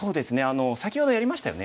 先ほどやりましたよね。